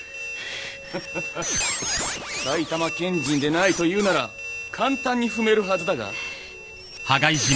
フフフ埼玉県人でないというなら簡単に踏めるはずだが。